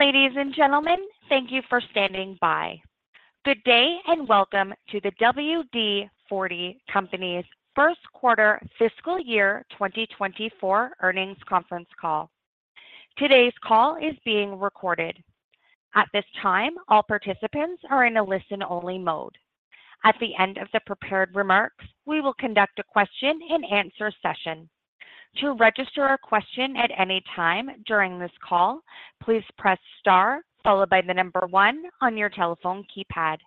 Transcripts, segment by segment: Ladies and gentlemen, thank you for standing by. Good day, and welcome to the WD-40 Company's first quarter fiscal year 2024 earnings conference call. Today's call is being recorded. At this time, all participants are in a listen-only mode. At the end of the prepared remarks, we will conduct a question-and-answer session. To register a question at any time during this call, please press star followed by the number one on your telephone keypad.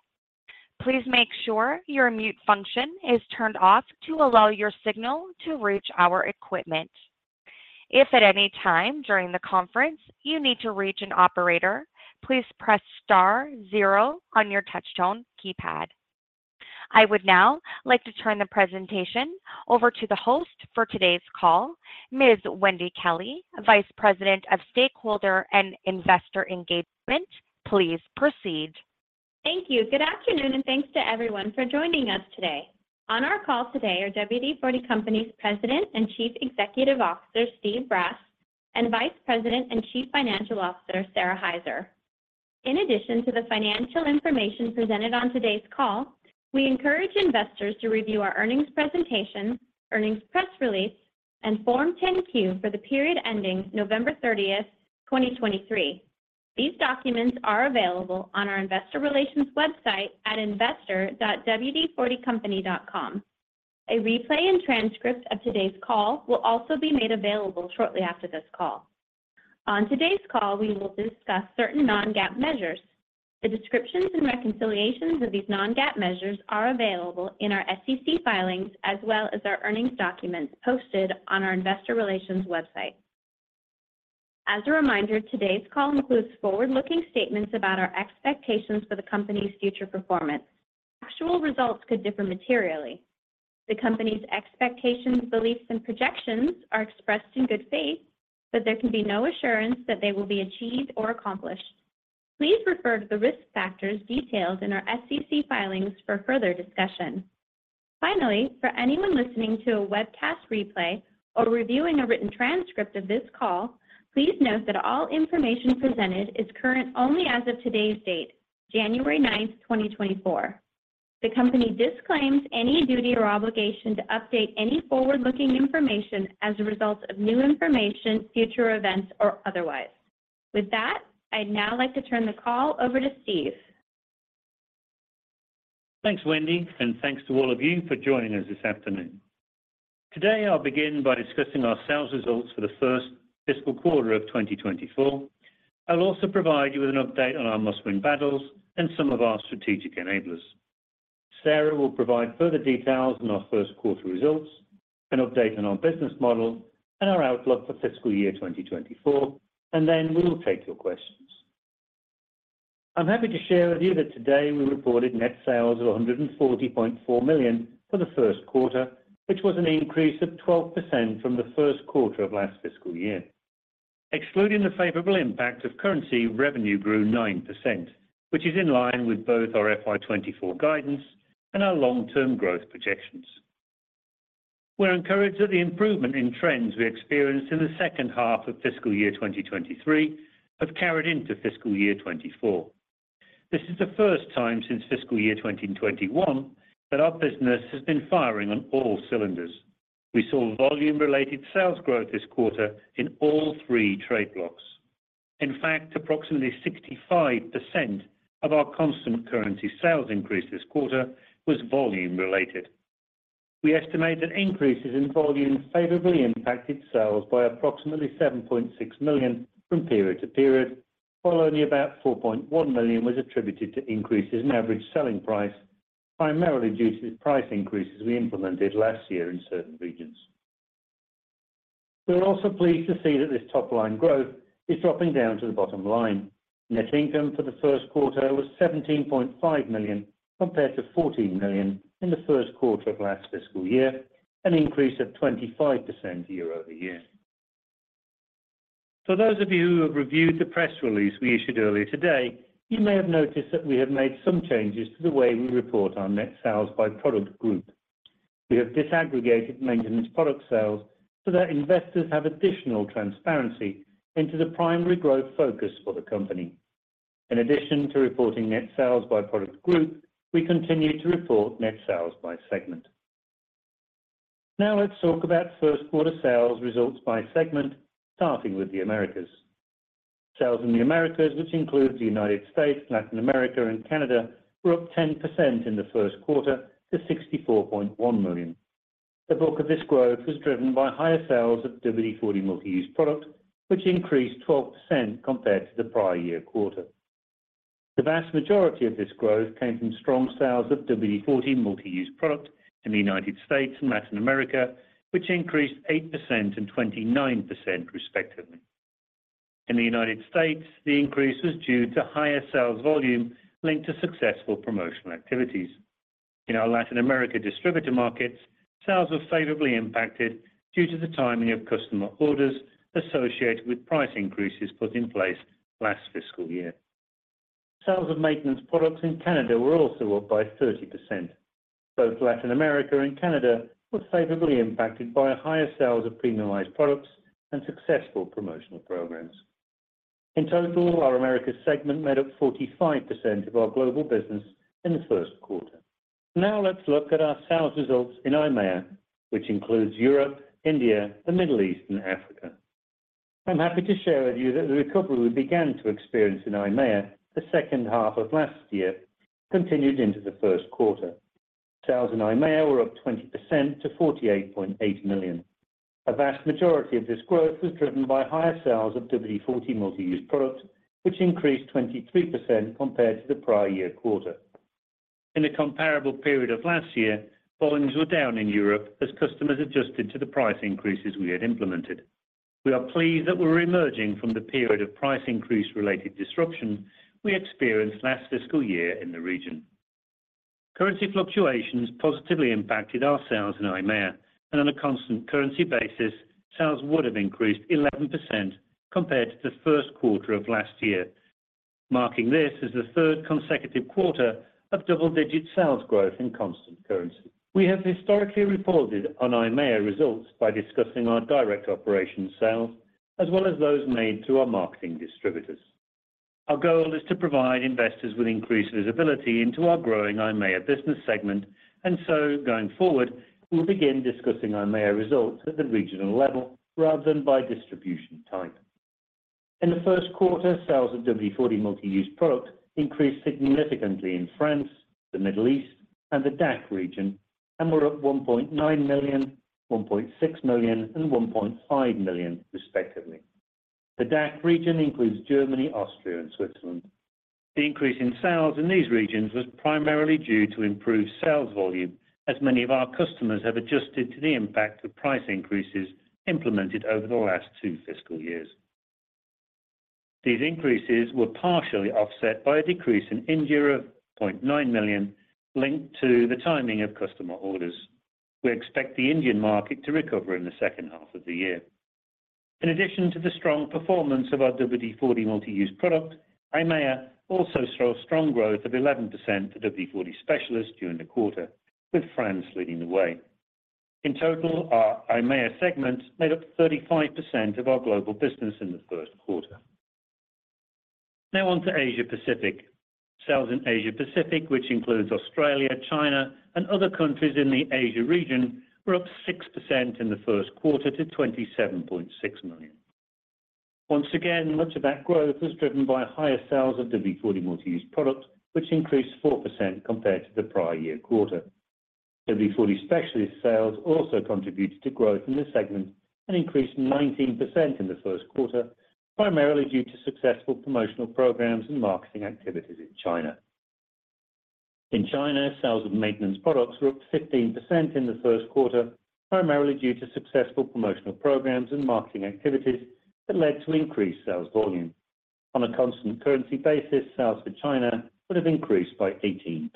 Please make sure your mute function is turned off to allow your signal to reach our equipment. If at any time during the conference you need to reach an operator, please press star zero on your touchtone keypad. I would now like to turn the presentation over to the host for today's call, Ms. Wendy Kelley, Vice President of Stakeholder and Investor Engagement. Please proceed. Thank you. Good afternoon, and thanks to everyone for joining us today. On our call today are WD-40 Company's President and Chief Executive Officer, Steve Brass, and Vice President and Chief Financial Officer, Sara Hyzer. In addition to the financial information presented on today's call, we encourage investors to review our earnings presentation, earnings press release, and Form 10-Q for the period ending November 30, 2023. These documents are available on our investor relations website at investor.wd40company.com. A replay and transcript of today's call will also be made available shortly after this call. On today's call, we will discuss certain non-GAAP measures. The descriptions and reconciliations of these non-GAAP measures are available in our SEC filings as well as our earnings documents posted on our investor relations website. As a reminder, today's call includes forward-looking statements about our expectations for the company's future performance. Actual results could differ materially. The company's expectations, beliefs, and projections are expressed in good faith, but there can be no assurance that they will be achieved or accomplished. Please refer to the risk factors detailed in our SEC filings for further discussion. Finally, for anyone listening to a webcast replay or reviewing a written transcript of this call, please note that all information presented is current only as of today's date, January 9, 2024. The company disclaims any duty or obligation to update any forward-looking information as a result of new information, future events, or otherwise. With that, I'd now like to turn the call over to Steve. Thanks, Wendy, and thanks to all of you for joining us this afternoon. Today, I'll begin by discussing our sales results for the first fiscal quarter of 2024. I'll also provide you with an update on our must-win battles and some of our strategic enablers. Sara will provide further details on our first quarter results, an update on our business model and our outlook for fiscal year 2024, and then we will take your questions. I'm happy to share with you that today we reported net sales of $140.4 million for the first quarter, which was an increase of 12% from the first quarter of last fiscal year. Excluding the favorable impact of currency, revenue grew 9%, which is in line with both our FY 2024 guidance and our long-term growth projections. We're encouraged that the improvement in trends we experienced in the second half of fiscal year 2023 have carried into fiscal year 2024. This is the first time since fiscal year 2021 that our business has been firing on all cylinders. We saw volume-related sales growth this quarter in all three trade blocks. In fact, approximately 65% of our constant currency sales increase this quarter was volume related. We estimate that increases in volume favorably impacted sales by approximately $7.6 million from period to period, while only about $4.1 million was attributed to increases in average selling price, primarily due to the price increases we implemented last year in certain regions. We're also pleased to see that this top-line growth is dropping down to the bottom line. Net income for the first quarter was $17.5 million, compared to $14 million in the first quarter of last fiscal year, an increase of 25% year-over-year. For those of you who have reviewed the press release we issued earlier today, you may have noticed that we have made some changes to the way we report our net sales by product group. We have disaggregated maintenance product sales so that investors have additional transparency into the primary growth focus for the company. In addition to reporting net sales by product group, we continue to report net sales by segment. Now, let's talk about first quarter sales results by segment, starting with the Americas. Sales in the Americas, which includes the United States, Latin America, and Canada, were up 10% in the first quarter to $64.1 million. The bulk of this growth was driven by higher sales of WD-40 Multi-Use Product, which increased 12% compared to the prior year quarter. The vast majority of this growth came from strong sales of WD-40 Multi-Use Product in the United States and Latin America, which increased 8% and 29%, respectively. In the United States, the increase was due to higher sales volume linked to successful promotional activities. In our Latin America distributor markets, sales were favorably impacted due to the timing of customer orders associated with price increases put in place last fiscal year.... Sales of maintenance products in Canada were also up by 30%. Both Latin America and Canada were favorably impacted by higher sales of premiumized products and successful promotional programs. In total, our Americas segment made up 45% of our global business in the first quarter. Now let's look at our sales results in EIMEA, which includes Europe, India, the Middle East, and Africa. I'm happy to share with you that the recovery we began to experience in EIMEA the second half of last year, continued into the first quarter. Sales in EIMEA were up 20%-$48.8 million. A vast majority of this growth was driven by higher sales of WD-40 Multi-Use Product, which increased 23% compared to the prior year quarter. In the comparable period of last year, volumes were down in Europe as customers adjusted to the price increases we had implemented. We are pleased that we're emerging from the period of price increase-related disruption we experienced last fiscal year in the region. Currency fluctuations positively impacted our sales in EIMEA, and on a constant currency basis, sales would have increased 11% compared to the first quarter of last year, marking this as the third consecutive quarter of double-digit sales growth in constant currency. We have historically reported on EIMEA results by discussing our direct operation sales, as well as those made to our marketing distributors. Our goal is to provide investors with increased visibility into our growing EIMEA business segment, and so going forward, we'll begin discussing EIMEA results at the regional level rather than by distribution type. In the first quarter, sales of WD-40 Multi-Use Product increased significantly in France, the Middle East, and the DACH region, and were up $1.9 million, $1.6 million, and $1.5 million, respectively. The DACH region includes Germany, Austria, and Switzerland. The increase in sales in these regions was primarily due to improved sales volume, as many of our customers have adjusted to the impact of price increases implemented over the last two fiscal years. These increases were partially offset by a decrease in India of $0.9 million, linked to the timing of customer orders. We expect the Indian market to recover in the second half of the year. In addition to the strong performance of our WD-40 Multi-Use Product, EIMEA also saw a strong growth of 11% to WD-40 Specialist during the quarter, with France leading the way. In total, our EIMEA segment made up 35% of our global business in the first quarter. Now on to Asia Pacific. Sales in Asia Pacific, which includes Australia, China, and other countries in the Asia region, were up 6% in the first quarter to $27.6 million. Once again, much of that growth was driven by higher sales of WD-40 Multi-Use Product, which increased 4% compared to the prior year quarter. WD-40 Specialist sales also contributed to growth in this segment and increased 19% in the first quarter, primarily due to successful promotional programs and marketing activities in China. In China, sales of maintenance products were up 15% in the first quarter, primarily due to successful promotional programs and marketing activities that led to increased sales volume. On a constant currency basis, sales for China would have increased by 18%.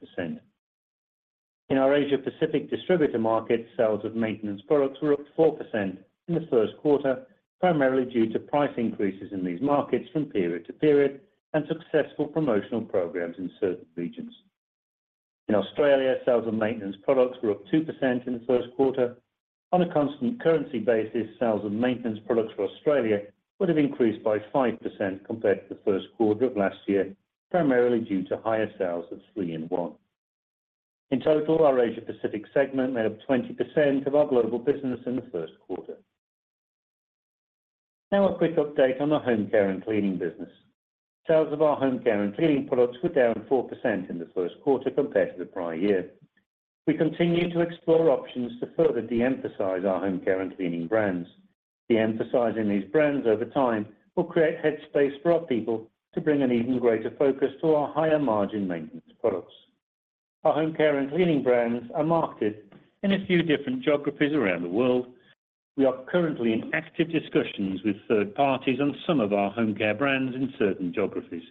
In our Asia Pacific distributor market, sales of maintenance products were up 4% in the first quarter, primarily due to price increases in these markets from period to period and successful promotional programs in certain regions. In Australia, sales and maintenance products were up 2% in the first quarter. On a Constant Currency basis, sales of maintenance products for Australia would have increased by 5% compared to the first quarter of last year, primarily due to higher sales of 3-IN-ONE. In total, our Asia Pacific segment made up 20% of our global business in the first quarter. Now a quick update on the home care and cleaning business. Sales of our home care and cleaning products were down 4% in the first quarter compared to the prior year. We continue to explore options to further de-emphasize our home care and cleaning brands. De-emphasizing these brands over time will create headspace for our people to bring an even greater focus to our higher-margin maintenance products. Our home care and cleaning brands are marketed in a few different geographies around the world. We are currently in active discussions with third parties on some of our home care brands in certain geographies.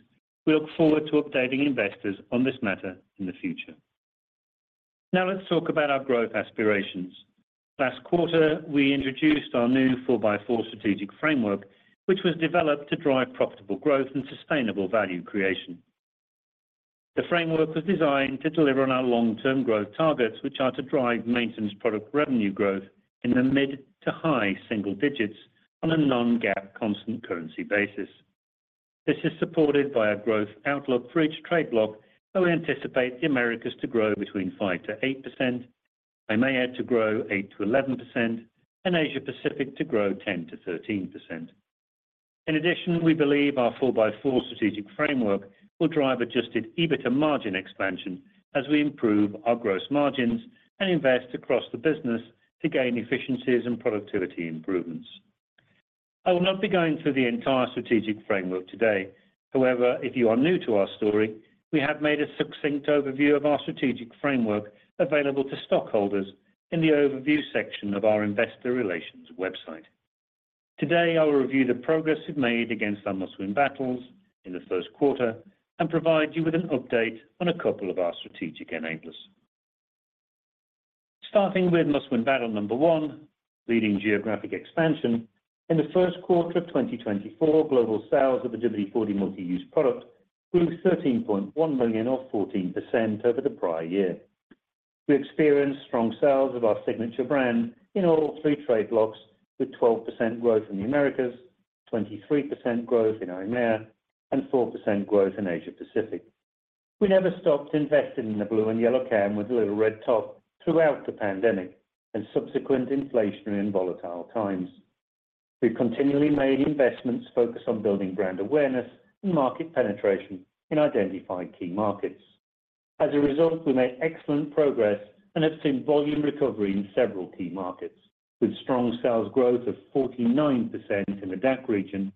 We look forward to updating investors on this matter in the future. Now, let's talk about our growth aspirations. Last quarter, we introduced our new Four-by-Four Strategic Framework, which was developed to drive profitable growth and sustainable value creation. The framework was designed to deliver on our long-term growth targets, which are to drive maintenance product revenue growth in the mid to high single digits on a non-GAAP constant currency basis. This is supported by a growth outlook for each trade block, and we anticipate the Americas to grow between 5%-8%, EIMEA to grow 8%-11%, and Asia Pacific to grow 10%-13%. In addition, we believe our Four-by-Four Strategic Framework will drive adjusted EBITDA margin expansion as we improve our gross margins and invest across the business to gain efficiencies and productivity improvements. I will not be going through the entire strategic framework today. However, if you are new to our story, we have made a succinct overview of our strategic framework available to stockholders in the overview section of our investor relations website. Today, I'll review the progress we've made against our Must-Win Battles in the first quarter and provide you with an update on a couple of our strategic enablers.... Starting with Must-Win Battle number one, leading geographic expansion. In the first quarter of 2024, global sales of the WD-40 Multi-Use Product grew to $13.1 million, or 14% over the prior year. We experienced strong sales of our signature brand in all three trade blocks, with 12% growth in the Americas, 23% growth in EMEA, and 4% growth in Asia Pacific. We never stopped investing in the blue and yellow can with a little red top throughout the pandemic and subsequent inflationary and volatile times. We've continually made investments focused on building brand awareness and market penetration in identifying key markets. As a result, we made excellent progress and have seen volume recovery in several key markets, with strong sales growth of 49% in the DACH region,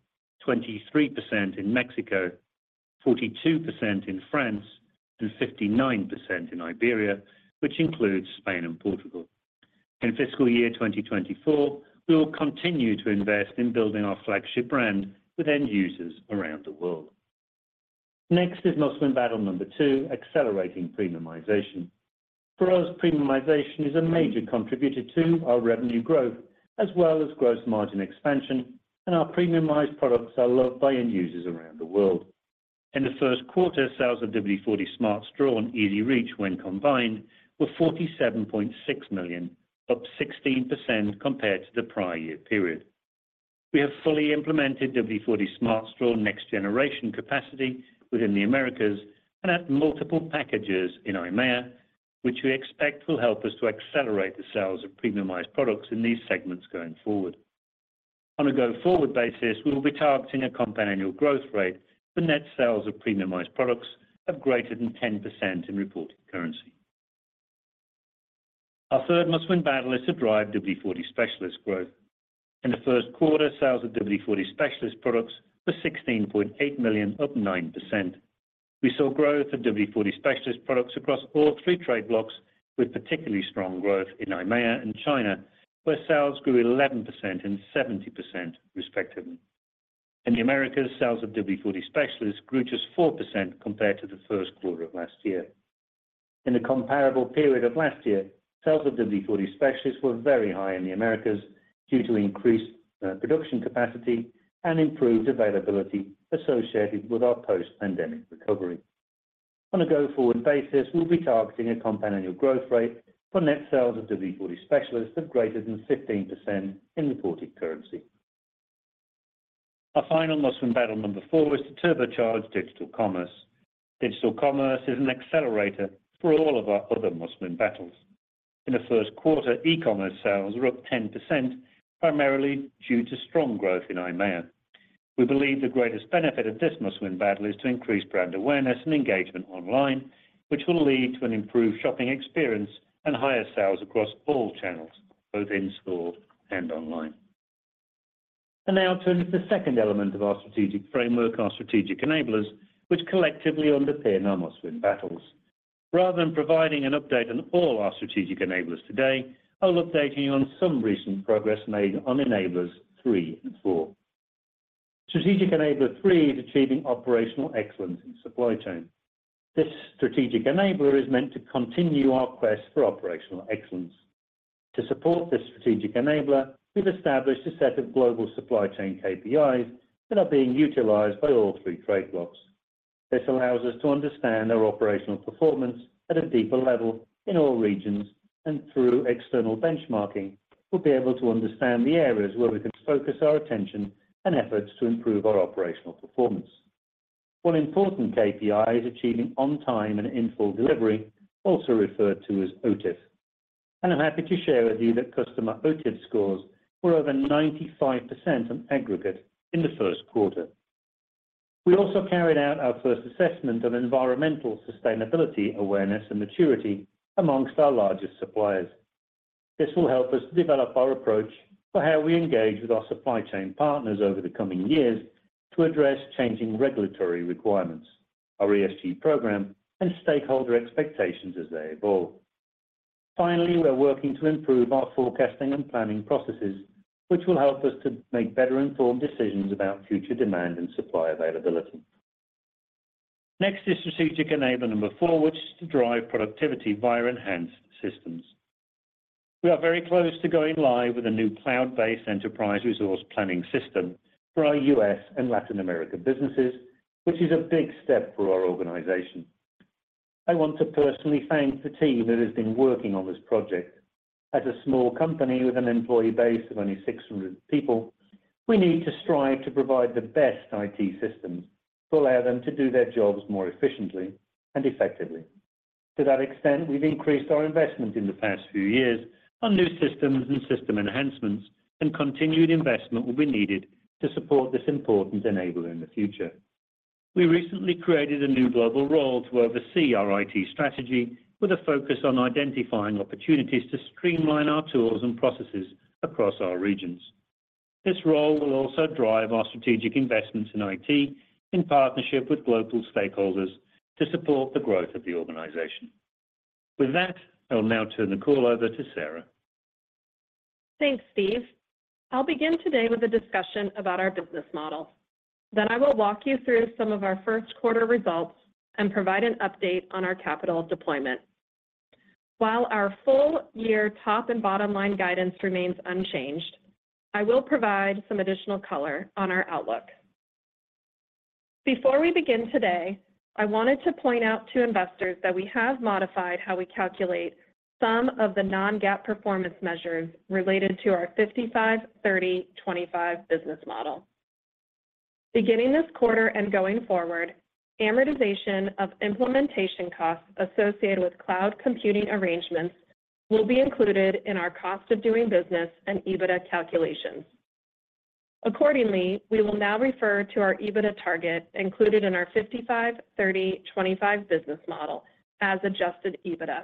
23% in Mexico, 42% in France, and 59% in Iberia, which includes Spain and Portugal. In fiscal year 2024, we will continue to invest in building our flagship brand with end users around the world. Next is Must-Win Battle number 2, accelerating Premiumization. For us, premiumization is a major contributor to our revenue growth, as well as gross margin expansion, and our premiumized products are loved by end users around the world. In the first quarter, sales of WD-40 Smart Straw and EZ-REACH, when combined, were $47.6 million, up 16% compared to the prior year period. We have fully implemented WD-40 Smart Straw next generation capacity within the Americas and at multiple packages in EMEA, which we expect will help us to accelerate the sales of premiumized products in these segments going forward. On a go-forward basis, we will be targeting a compound annual growth rate for net sales of premiumized products of greater than 10% in reported currency. Our third Must-Win Battle is to drive WD-40 Specialist growth. In the first quarter, sales of WD-40 Specialist products were $16.8 million, up 9%. We saw growth of WD-40 Specialist products across all three trade blocks, with particularly strong growth in EMEA and China, where sales grew 11% and 70% respectively. In the Americas, sales of WD-40 Specialist grew just 4% compared to the first quarter of last year. In the comparable period of last year, sales of WD-40 Specialist were very high in the Americas due to increased production capacity and improved availability associated with our post-pandemic recovery. On a go-forward basis, we'll be targeting a compound annual growth rate for net sales of WD-40 Specialist of greater than 15% in reported currency. Our final Must-Win Battle number four is to turbocharge digital commerce. Digital commerce is an accelerator for all of our other Must-Win Battles. In the first quarter, e-commerce sales were up 10%, primarily due to strong growth in EMEA. We believe the greatest benefit of this Must-Win Battle is to increase brand awareness and engagement online, which will lead to an improved shopping experience and higher sales across all channels, both in-store and online. Now to the second element of our strategic framework, our strategic enablers, which collectively underpin our Must-Win Battles. Rather than providing an update on all our strategic enablers today, I'll update you on some recent progress made on Enablers three and four. Strategic Enabler three is achieving operational excellence in supply chain. This strategic enabler is meant to continue our quest for operational excellence. To support this strategic enabler, we've established a set of global supply chain KPIs that are being utilized by all three trade blocks. This allows us to understand their operational performance at a deeper level in all regions, and through external benchmarking, we'll be able to understand the areas where we can focus our attention and efforts to improve our operational performance. One important KPI is achieving on-time and in-full delivery, also referred to as OTIF, and I'm happy to share with you that customer OTIF scores were over 95% on aggregate in the first quarter. We also carried out our first assessment of environmental sustainability, awareness, and maturity amongst our largest suppliers. This will help us develop our approach for how we engage with our supply chain partners over the coming years to address changing regulatory requirements, our ESG program, and stakeholder expectations as they evolve. Finally, we are working to improve our forecasting and planning processes, which will help us to make better informed decisions about future demand and supply availability. Next is strategic enabler number four, which is to drive productivity via enhanced systems. We are very close to going live with a new cloud-based enterprise resource planning system for our U.S and Latin America businesses, which is a big step for our organization. I want to personally thank the team that has been working on this project. As a small company with an employee base of only 600 people, we need to strive to provide the best IT systems to allow them to do their jobs more efficiently and effectively. To that extent, we've increased our investment in the past few years on new systems and system enhancements, and continued investment will be needed to support this important enabler in the future. We recently created a new global role to oversee our IT strategy, with a focus on identifying opportunities to streamline our tools and processes across our regions. This role will also drive our strategic investments in IT, in partnership with global stakeholders to support the growth of the organization. With that, I will now turn the call over to Sara.... Thanks, Steve. I'll begin today with a discussion about our business model. Then I will walk you through some of our first quarter results and provide an update on our capital deployment. While our full year top and bottom line guidance remains unchanged, I will provide some additional color on our outlook. Before we begin today, I wanted to point out to investors that we have modified how we calculate some of the non-GAAP performance measures related to our 55, 30, 25 business model. Beginning this quarter and going forward, amortization of implementation costs associated with cloud computing arrangements will be included in our cost of doing business and EBITDA calculations. Accordingly, we will now refer to our EBITDA target included in our 55, 30, 25 business model as adjusted EBITDA.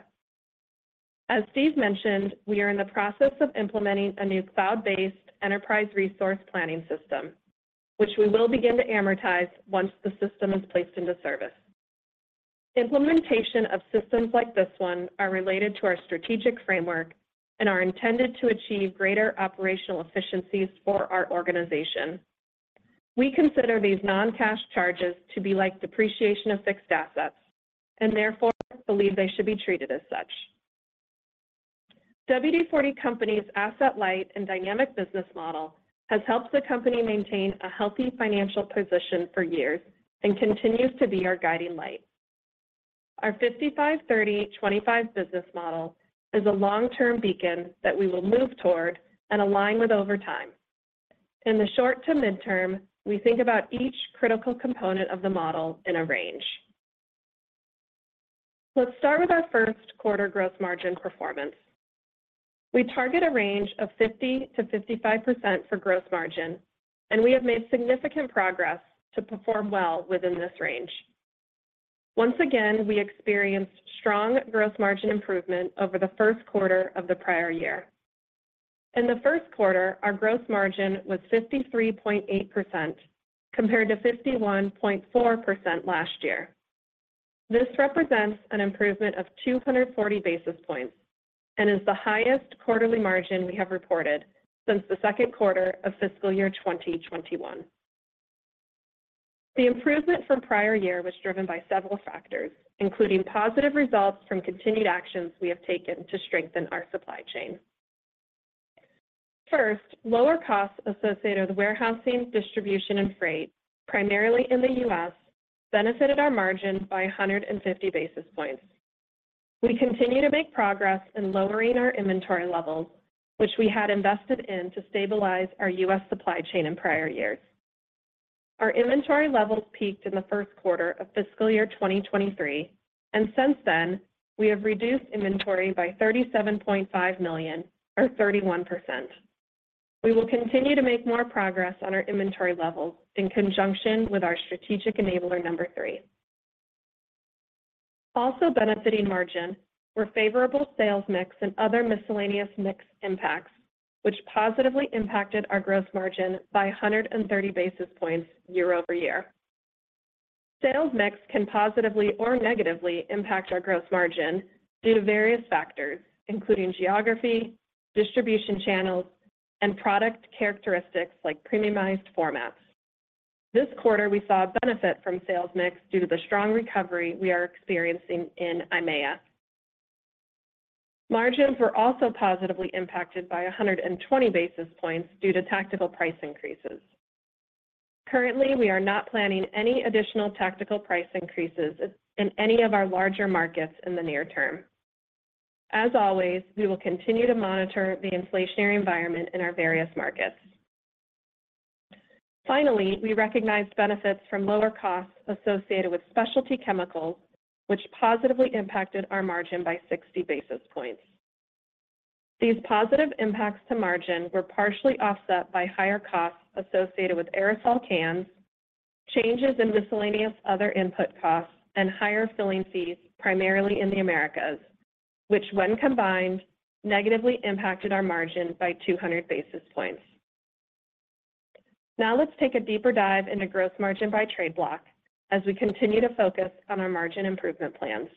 As Steve mentioned, we are in the process of implementing a new cloud-based enterprise resource planning system, which we will begin to amortize once the system is placed into service. Implementation of systems like this one are related to our strategic framework and are intended to achieve greater operational efficiencies for our organization. We consider these non-cash charges to be like depreciation of fixed assets, and therefore believe they should be treated as such. WD-40 Company's asset light and dynamic business model has helped the company maintain a healthy financial position for years and continues to be our guiding light. Our 55, 30, 25 business model is a long-term beacon that we will move toward and align with over time. In the short to mid-term, we think about each critical component of the model in a range. Let's start with our first quarter gross margin performance. We target a range of 50%-55% for gross margin, and we have made significant progress to perform well within this range. Once again, we experienced strong gross margin improvement over the first quarter of the prior year. In the first quarter, our gross margin was 53.8%, compared to 51.4% last year. This represents an improvement of 240 basis points and is the highest quarterly margin we have reported since the second quarter of fiscal year 2021. The improvement from prior year was driven by several factors, including positive results from continued actions we have taken to strengthen our supply chain. First, lower costs associated with warehousing, distribution, and freight, primarily in the U.S., benefited our margin by 150 basis points. We continue to make progress in lowering our inventory levels, which we had invested in to stabilize our U.S. supply chain in prior years. Our inventory levels peaked in the first quarter of fiscal year 2023, and since then, we have reduced inventory by $37.5 million or 31%. We will continue to make more progress on our inventory levels in conjunction with our strategic enabler number 3. Also benefiting margin were favorable sales mix and other miscellaneous mix impacts, which positively impacted our gross margin by 130 basis points year-over-year. Sales mix can positively or negatively impact our gross margin due to various factors, including geography, distribution channels, and product characteristics like premiumized formats. This quarter, we saw a benefit from sales mix due to the strong recovery we are experiencing in EMEA. Margins were also positively impacted by 120 basis points due to tactical price increases. Currently, we are not planning any additional tactical price increases in any of our larger markets in the near term. As always, we will continue to monitor the inflationary environment in our various markets. Finally, we recognized benefits from lower costs associated with specialty chemicals, which positively impacted our margin by 60 basis points. These positive impacts to margin were partially offset by higher costs associated with aerosol cans, changes in miscellaneous other input costs, and higher filling fees, primarily in the Americas, which, when combined, negatively impacted our margin by 200 basis points. Now, let's take a deeper dive into gross margin by trade block as we continue to focus on our margin improvement plans.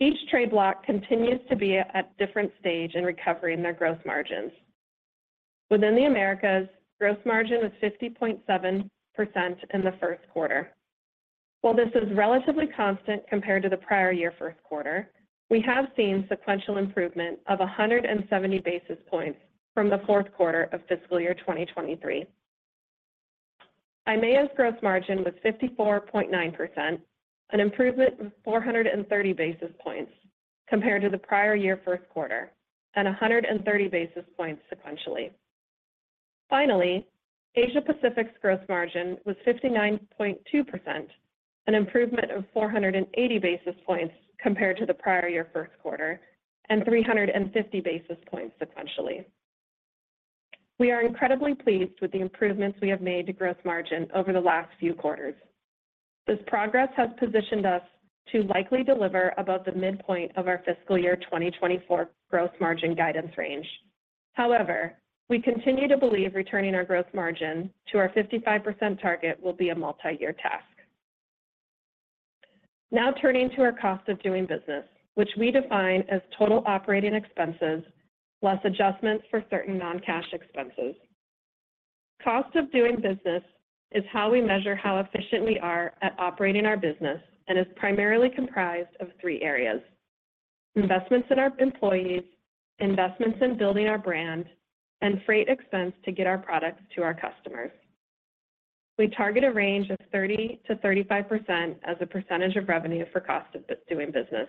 Each trade block continues to be at different stage in recovering their gross margins. Within the Americas, gross margin was 50.7% in the first quarter. While this is relatively constant compared to the prior year first quarter, we have seen sequential improvement of 170 basis points from the fourth quarter of fiscal year 2023. EMEA's gross margin was 54.9%, an improvement of 430 basis points compared to the prior year first quarter, and 130 basis points sequentially. Finally, Asia Pacific's gross margin was 59.2%, an improvement of 480 basis points compared to the prior year first quarter, and 350 basis points sequentially. We are incredibly pleased with the improvements we have made to gross margin over the last few quarters. This progress has positioned us to likely deliver above the midpoint of our fiscal year 2024 Gross Margin guidance range. However, we continue to believe returning our Gross Margin to our 55% target will be a multi-year task. Now turning to our Cost of Doing Business, which we define as total operating expenses plus adjustments for certain non-cash expenses. Cost of Doing Business is how we measure how efficient we are at operating our business and is primarily comprised of three areas: investments in our employees, investments in building our brand, and freight expense to get our products to our customers. We target a range of 30%-35% as a percentage of revenue for Cost of Doing Business.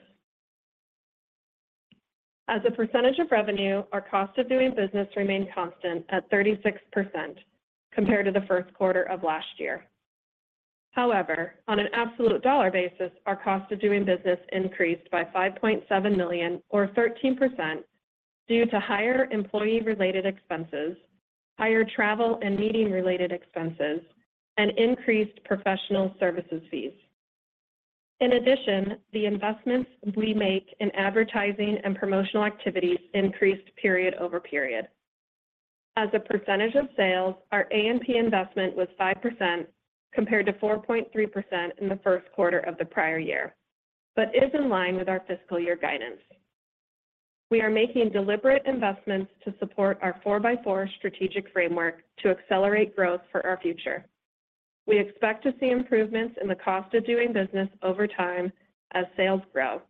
As a percentage of revenue, our Cost of Doing Business remained constant at 36% compared to the first quarter of last year. However, on an absolute dollar basis, our cost of doing business increased by $5.7 million or 13% due to higher employee-related expenses, higher travel and meeting-related expenses, and increased professional services fees. In addition, the investments we make in advertising and promotional activities increased period over period. As a percentage of sales, our A&P investment was 5% compared to 4.3% in the first quarter of the prior year, but is in line with our fiscal year guidance. We are making deliberate investments to support our four-by-four strategic framework to accelerate growth for our future. We expect to see improvements in the cost of doing business over time as sales grow,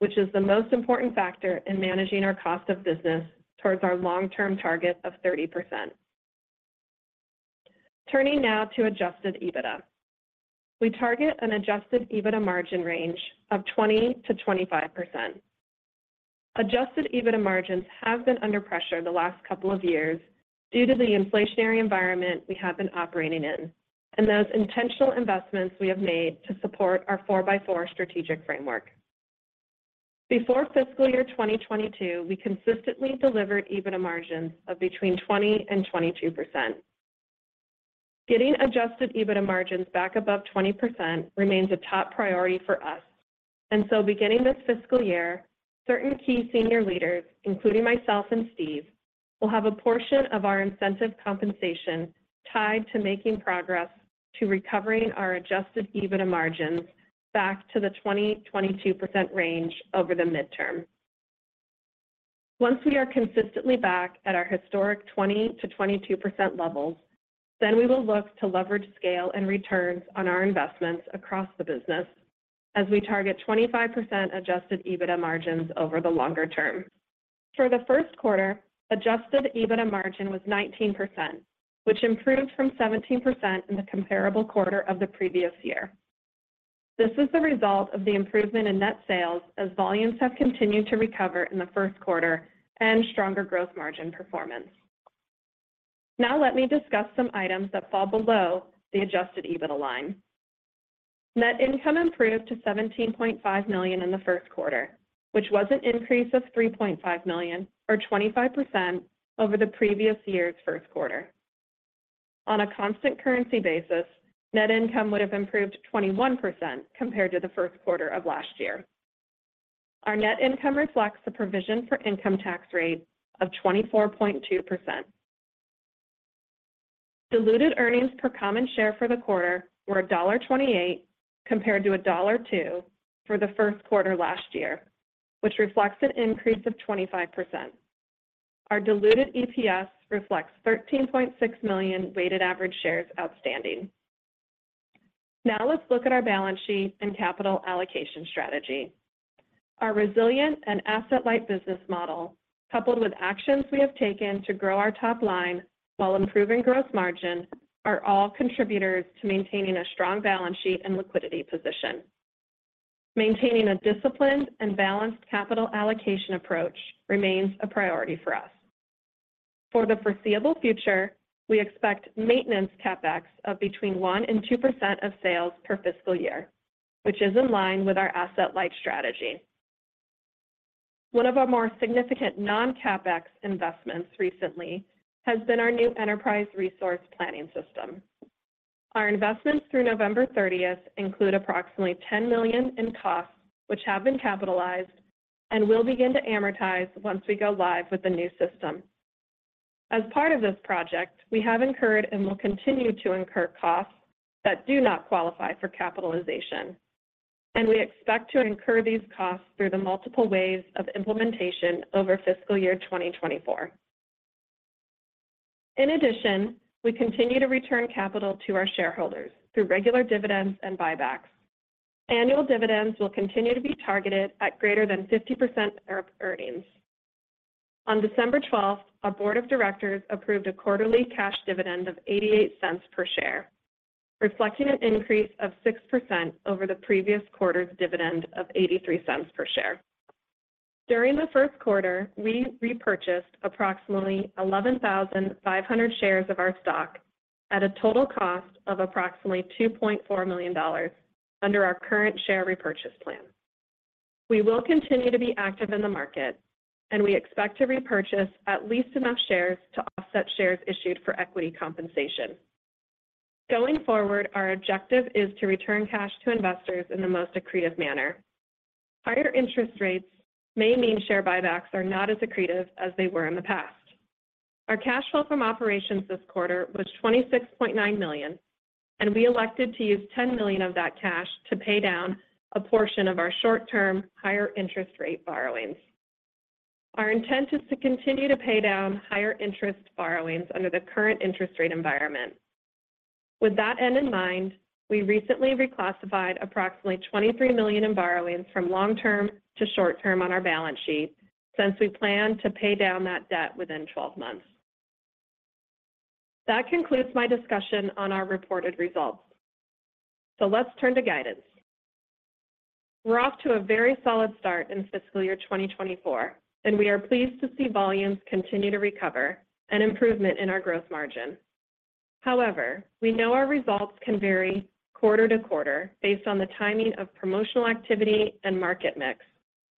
which is the most important factor in managing our cost of business towards our long-term target of 30%. Turning now to adjusted EBITDA. We target an adjusted EBITDA margin range of 20%-25%. Adjusted EBITDA margins have been under pressure the last couple of years due to the inflationary environment we have been operating in, and those intentional investments we have made to support our Four-by-Four Strategic Framework. Before fiscal year 2022, we consistently delivered EBITDA margins of between 20% and 22%. Getting adjusted EBITDA margins back above 20% remains a top priority for us, and so beginning this fiscal year, certain key senior leaders, including myself and Steve, will have a portion of our incentive compensation tied to making progress to recovering our adjusted EBITDA margins back to the 20%-22% range over the midterm. Once we are consistently back at our historic 20%-22% levels, then we will look to leverage scale and returns on our investments across the business as we target 25% adjusted EBITDA margins over the longer term. For the first quarter, adjusted EBITDA margin was 19%, which improved from 17% in the comparable quarter of the previous year. This is the result of the improvement in net sales as volumes have continued to recover in the first quarter and stronger growth margin performance. Now let me discuss some items that fall below the adjusted EBITDA line. Net income improved to $17.5 million in the first quarter, which was an increase of $3.5 million, or 25% over the previous year's first quarter. On a constant currency basis, net income would have improved 21% compared to the first quarter of last year. Our net income reflects the provision for income tax rate of 24.2%. Diluted earnings per common share for the quarter were $1.28, compared to $1.02 for the first quarter last year, which reflects an increase of 25%. Our diluted EPS reflects 13.6 million weighted average shares outstanding. Now let's look at our balance sheet and capital allocation strategy. Our resilient and asset-light business model, coupled with actions we have taken to grow our top line while improving gross margin, are all contributors to maintaining a strong balance sheet and liquidity position. Maintaining a disciplined and balanced capital allocation approach remains a priority for us. For the foreseeable future, we expect maintenance CapEx of between 1% and 2% of sales per fiscal year, which is in line with our asset-light strategy. One of our more significant non-CapEx investments recently has been our new enterprise resource planning system. Our investments through November 30th include approximately $10 million in costs, which have been capitalized and will begin to amortize once we go live with the new system. As part of this project, we have incurred and will continue to incur costs that do not qualify for capitalization, and we expect to incur these costs through the multiple waves of implementation over fiscal year 2024. In addition, we continue to return capital to our shareholders through regular dividends and buybacks. Annual dividends will continue to be targeted at greater than 50% of earnings. On December 12, our board of directors approved a quarterly cash dividend of 88 cents per share, reflecting an increase of 6% over the previous quarter's dividend of 83 cents per share. During the first quarter, we repurchased approximately 11,500 shares of our stock at a total cost of approximately $2.4 million under our current share repurchase plan. We will continue to be active in the market, and we expect to repurchase at least enough shares to offset shares issued for equity compensation. Going forward, our objective is to return cash to investors in the most accretive manner. Higher interest rates may mean share buybacks are not as accretive as they were in the past. Our cash flow from operations this quarter was $26.9 million, and we elected to use $10 million of that cash to pay down a portion of our short-term, higher interest rate borrowings. Our intent is to continue to pay down higher interest borrowings under the current interest rate environment. With that end in mind, we recently reclassified approximately $23 million in borrowings from long-term to short-term on our balance sheet, since we plan to pay down that debt within 12 months. That concludes my discussion on our reported results. Let's turn to guidance. We're off to a very solid start in fiscal year 2024, and we are pleased to see volumes continue to recover and improvement in our gross margin. However, we know our results can vary quarter to quarter based on the timing of promotional activity and market mix,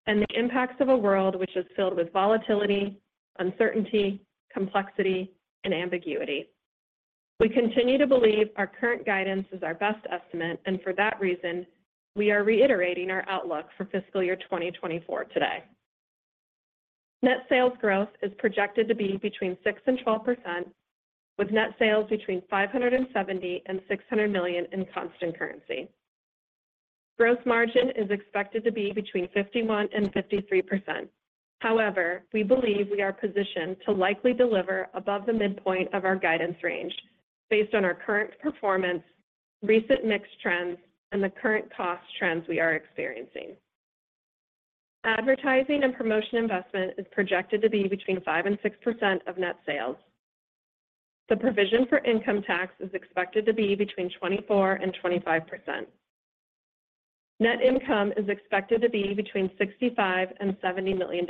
and the impacts of a world which is filled with volatility, uncertainty, complexity, and ambiguity. We continue to believe our current guidance is our best estimate, and for that reason, we are reiterating our outlook for fiscal year 2024 today. Net sales growth is projected to be between 6% and 12%, with net sales between $570 million and $600 million in constant currency. Gross margin is expected to be between 51% and 53%. However, we believe we are positioned to likely deliver above the midpoint of our guidance range based on our current performance, recent mix trends, and the current cost trends we are experiencing. Advertising and promotion investment is projected to be between 5% and 6% of net sales. The provision for income tax is expected to be between 24%-25%. Net income is expected to be between $65 million-$70 million,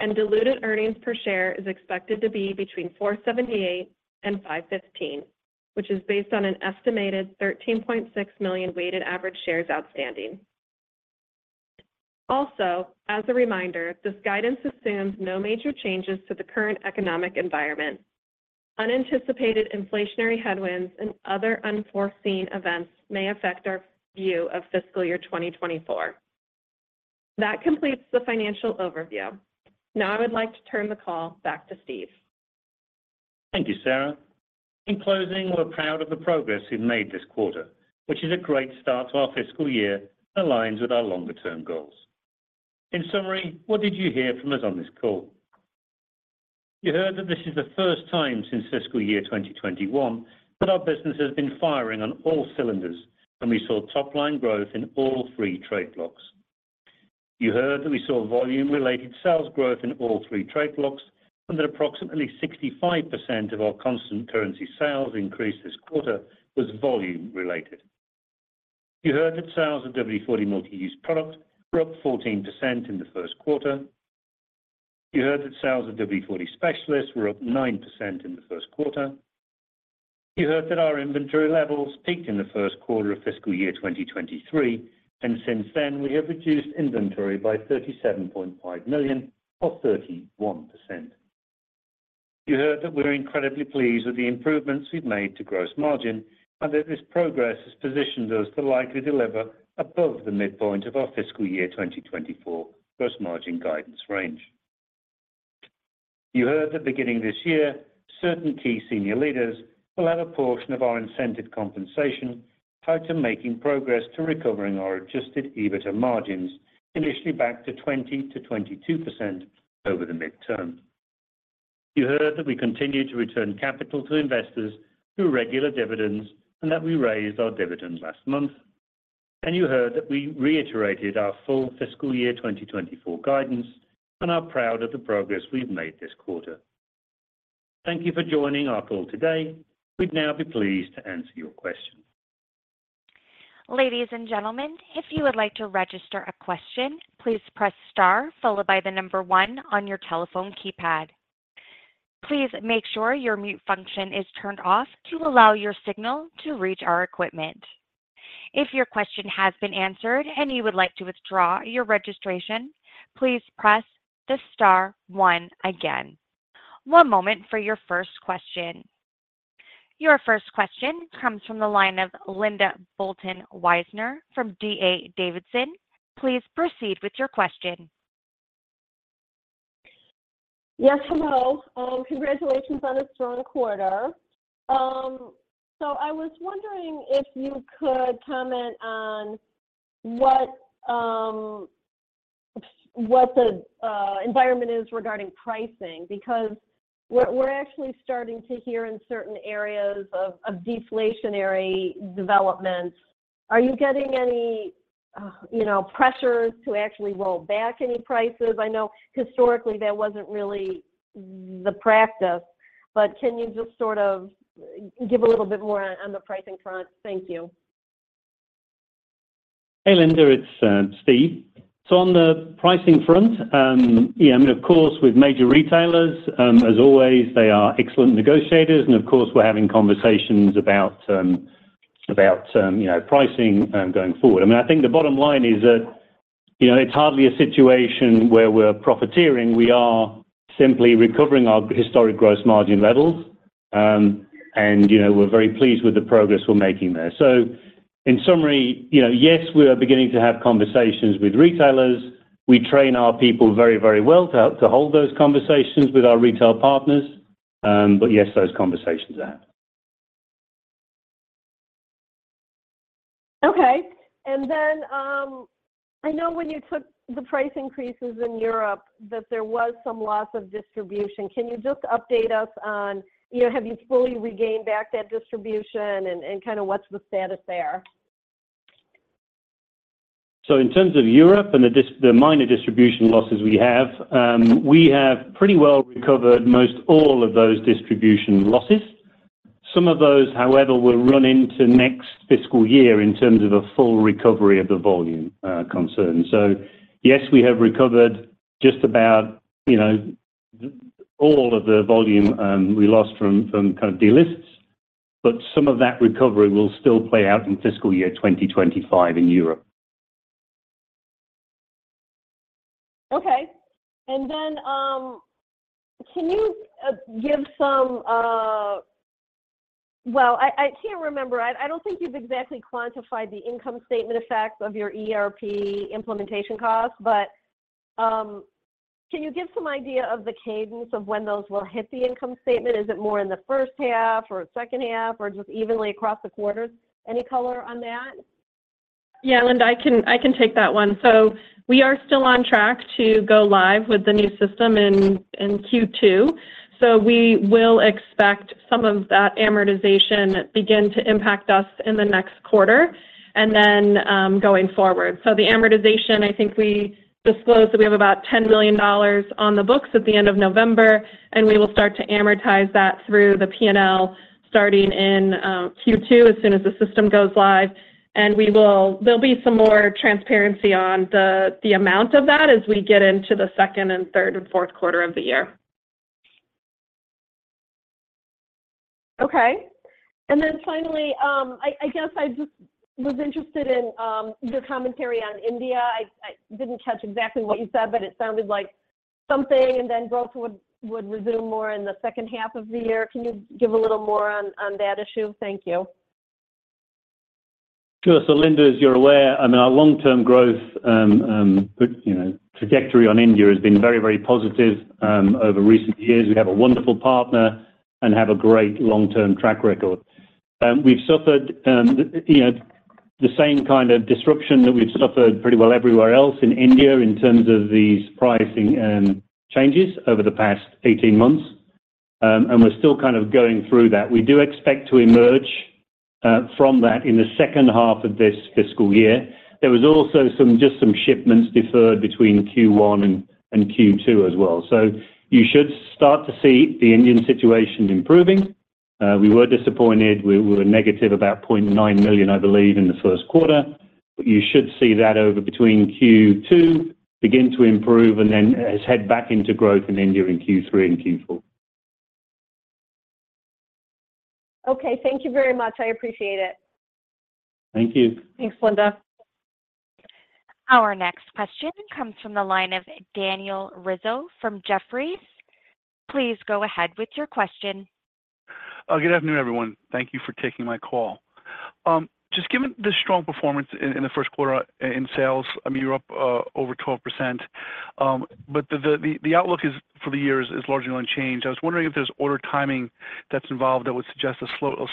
and diluted earnings per share is expected to be between $4.78-$5.15, which is based on an estimated 13.6 million weighted average shares outstanding. Also, as a reminder, this guidance assumes no major changes to the current economic environment. Unanticipated inflationary headwinds and other unforeseen events may affect our view of fiscal year 2024. That completes the financial overview. Now, I would like to turn the call back to Steve. Thank you, Sara. In closing, we're proud of the progress we've made this quarter, which is a great start to our fiscal year and aligns with our longer-term goals. In summary, what did you hear from us on this call? You heard that this is the first time since fiscal year 2021 that our business has been firing on all cylinders, and we saw top-line growth in all three trade blocks. You heard that we saw volume-related sales growth in all three trade blocks, and that approximately 65% of our constant currency sales increase this quarter was volume-related. You heard that sales of WD-40 Multi-Use product were up 14% in the first quarter. You heard that sales of WD-40 Specialist were up 9% in the first quarter. You heard that our inventory levels peaked in the first quarter of fiscal year 2023, and since then, we have reduced inventory by $37.5 million, or 31%. You heard that we're incredibly pleased with the improvements we've made to gross margin, and that this progress has positioned us to likely deliver above the midpoint of our fiscal year 2024 gross margin guidance range. You heard that beginning this year, certain key senior leaders will add a portion of our incentive compensation tied to making progress to recovering our Adjusted EBITDA margins, initially back to 20%-22% over the midterm. You heard that we continue to return capital to investors through regular dividends, and that we raised our dividend last month. And you heard that we reiterated our full fiscal year 2024 guidance and are proud of the progress we've made this quarter. Thank you for joining our call today. We'd now be pleased to answer your questions. Ladies and gentlemen, if you would like to register a question, please press star followed by the number one on your telephone keypad. Please make sure your mute function is turned off to allow your signal to reach our equipment. If your question has been answered and you would like to withdraw your registration, please press the star one again. One moment for your first question. Your first question comes from the line of Linda Bolton Weiser from D.A. Davidson. Please proceed with your question. Yes, hello. Congratulations on a strong quarter. So I was wondering if you could comment on what the environment is regarding pricing, because we're actually starting to hear in certain areas of deflationary developments. Are you getting any, you know, pressures to actually roll back any prices? I know historically, that wasn't really the practice, but can you just sort of give a little bit more on the pricing front? Thank you. Hey, Linda, it's Steve. So on the pricing front, yeah, I mean, of course, with major retailers, as always, they are excellent negotiators, and of course, we're having conversations about you know, pricing going forward. I mean, I think the bottom line is that You know, it's hardly a situation where we're profiteering. We are simply recovering our historic gross margin levels. And, you know, we're very pleased with the progress we're making there. So in summary, you know, yes, we are beginning to have conversations with retailers. We train our people very, very well to hold those conversations with our retail partners. But yes, those conversations are happening. Okay. And then, I know when you took the price increases in Europe, that there was some loss of distribution. Can you just update us on, you know, have you fully regained back that distribution and kind of what's the status there? So in terms of Europe and the minor distribution losses we have, we have pretty well recovered most all of those distribution losses. Some of those, however, will run into next fiscal year in terms of a full recovery of the volume, concern. So yes, we have recovered just about, you know, all of the volume we lost from kind of delists, but some of that recovery will still play out in fiscal year 2025 in Europe. Okay. And then, can you, give some... Well, I, I can't remember. I, I don't think you've exactly quantified the income statement effects of your ERP implementation costs, but, can you give some idea of the cadence of when those will hit the income statement? Is it more in the first half or second half, or just evenly across the quarters? Any color on that? Yeah, Linda, I can, I can take that one. So we are still on track to go live with the new system in Q2. So we will expect some of that amortization begin to impact us in the next quarter, and then going forward. So the amortization, I think we disclosed that we have about $10 million on the books at the end of November, and we will start to amortize that through the P&L, starting in Q2, as soon as the system goes live. And we will- There'll be some more transparency on the amount of that as we get into the second and third and fourth quarter of the year. Okay. And then finally, I guess I just was interested in your commentary on India. I didn't catch exactly what you said, but it sounded like something, and then growth would resume more in the second half of the year. Can you give a little more on that issue? Thank you. Sure. So Linda, as you're aware, I mean, our long-term growth, you know, trajectory on India has been very, very positive over recent years. We have a wonderful partner and have a great long-term track record. We've suffered, you know, the same kind of disruption that we've suffered pretty well everywhere else in India in terms of these pricing changes over the past 18 months. And we're still kind of going through that. We do expect to emerge from that in the second half of this fiscal year. There was also some, just some shipments deferred between Q1 and Q2 as well. So you should start to see the Indian situation improving. We were disappointed. We were negative about $0.9 million, I believe, in the first quarter, but you should see that over between Q2 begin to improve and then as head back into growth in India in Q3 and Q4. Okay, thank you very much. I appreciate it. Thank you. Thanks, Linda. Our next question comes from the line of Daniel Rizzo from Jefferies. Please go ahead with your question. Good afternoon, everyone. Thank you for taking my call. Just given the strong performance in the first quarter in sales, I mean, you're up over 12%, but the outlook is for the year largely unchanged. I was wondering if there's order timing that's involved that would suggest a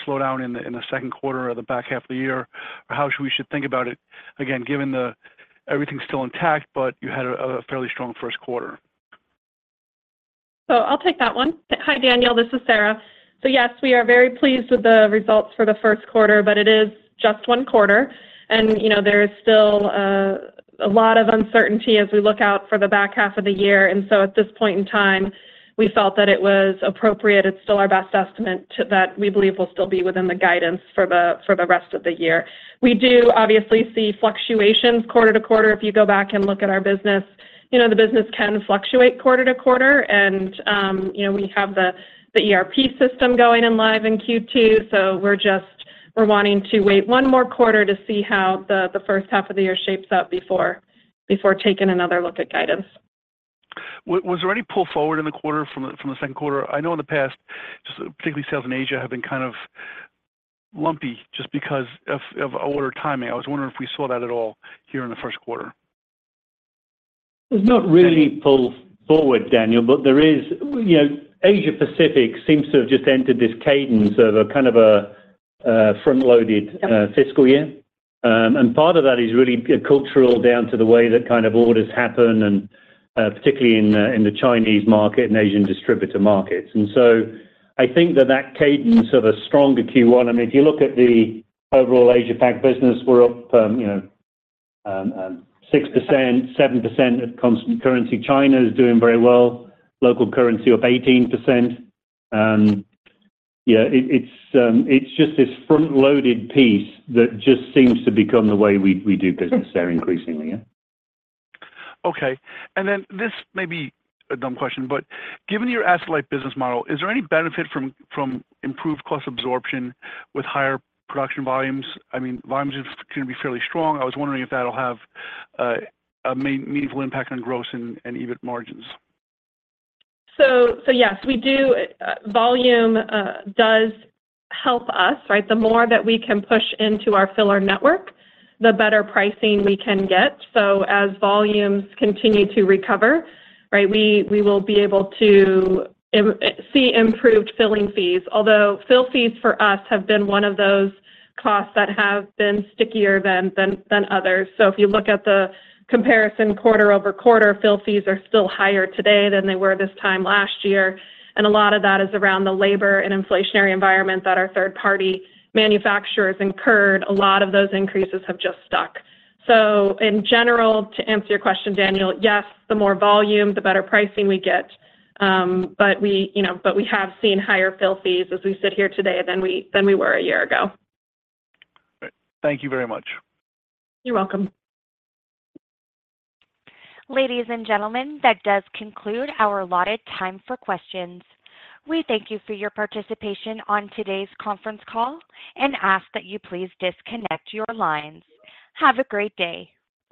slowdown in the second quarter or the back half of the year, or how we should think about it, again, given the everything's still intact, but you had a fairly strong first quarter. So I'll take that one. Hi, Daniel, this is Sara. So yes, we are very pleased with the results for the first quarter, but it is just one quarter. And, you know, there is still a lot of uncertainty as we look out for the back half of the year. And so at this point in time, we felt that it was appropriate. It's still our best estimate to—that we believe will still be within the guidance for the, for the rest of the year. We do obviously see fluctuations quarter to quarter. If you go back and look at our business, you know, the business can fluctuate quarter to quarter, and, you know, we have the ERP system going in live in Q2, so we're just-- we're wanting to wait one more quarter to see how the first half of the year shapes up before taking another look at guidance. Was there any pull forward in the quarter from the second quarter? I know in the past, just particularly sales in Asia, have been kind of lumpy just because of order timing. I was wondering if we saw that at all here in the first quarter. There's not really pull forward, Daniel, but there is. You know, Asia Pacific seems to have just entered this cadence of a kind of a front-loaded fiscal year. And part of that is really cultural, down to the way that kind of orders happen, and particularly in the Chinese market and Asian distributor markets. And so I think that that cadence of a stronger Q1. I mean, if you look at the overall Asia Pac business, we're up from, you know, 6%, 7% at constant currency. China is doing very well, local currency up 18%. Yeah, it's just this front-loaded piece that just seems to become the way we do business there increasingly, yeah. Okay. And then this may be a dumb question, but given your asset-light business model, is there any benefit from, from improved cost absorption with higher production volumes? I mean, volumes are gonna be fairly strong. I was wondering if that'll have a meaningful impact on gross and, and EBIT margins. So, yes, we do. Volume does help us, right? The more that we can push into our filler network, the better pricing we can get. So as volumes continue to recover, right, we will be able to see improved filling fees. Although fill fees for us have been one of those costs that have been stickier than others. So if you look at the comparison quarter-over-quarter, fill fees are still higher today than they were this time last year, and a lot of that is around the labor and inflationary environment that our third-party manufacturers incurred. A lot of those increases have just stuck. So in general, to answer your question, Daniel, yes, the more volume, the better pricing we get. But we, you know, but we have seen higher fill fees as we sit here today than we were a year ago. Great. Thank you very much. You're welcome. Ladies and gentlemen, that does conclude our allotted time for questions. We thank you for your participation on today's conference call and ask that you please disconnect your lines. Have a great day.